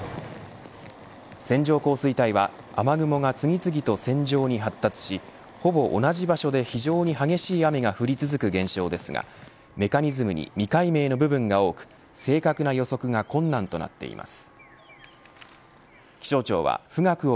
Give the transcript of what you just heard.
線状降水帯は雨雲が次々と線上に発達しほぼ同じ場所で非常に激しい雨が降り続く現象ですがメカニズムに未解明の部分が多く正確な予測が困難となっています。